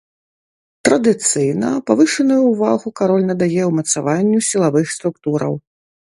Традыцыйна павышаную ўвагу кароль надае ўмацаванню сілавых структураў.